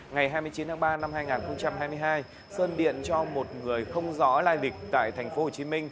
ngày hai mươi chín tháng ba năm hai nghìn hai mươi hai sơn điện cho một người không rõ lai lịch tại tp hcm